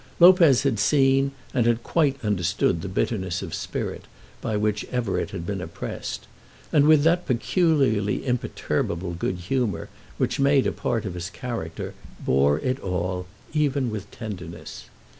Lopez had seen and had quite understood the bitterness of spirit by which Everett had been oppressed, and with that peculiarly imperturbable good humour which made a part of his character bore it all, even with tenderness.